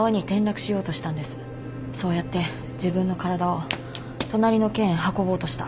そうやって自分の体を隣の県へ運ぼうとした。